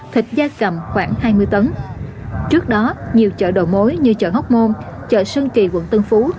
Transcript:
thịt da cầm khoảng hai mươi tấn trước đó nhiều chợ đầu mối như chợ hốc môn chợ sơn kỳ quận tân phú